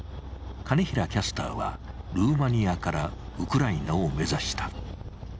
金平キャスターはルーマニアからウクライナを目指した。